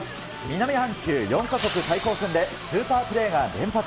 南半球４か国対抗戦で、スーパープレーが連発。